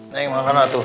neng makanlah tuh